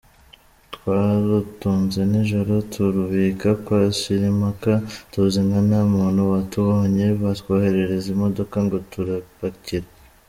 Twarutunze nijoro turubika kwa Shirimpaka tuzi ko nta muntu watubonye batwoherereza imodoka ngo turupakire”.